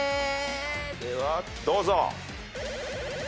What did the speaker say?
ではどうぞ。